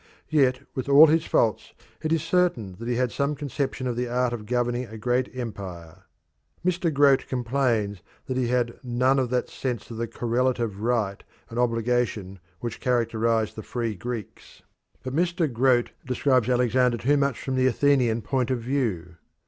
Yet with all his faults it is certain that he had some conception of the art of governing a great empire. Mr. Grote complains that "he had none of that sense of correlative right and obligation which characterised the free Greeks," but Mr. Grote describes Alexander too much from the Athenian point of view.